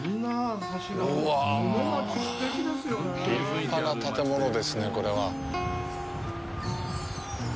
うわぁ、立派な建物ですね、これは！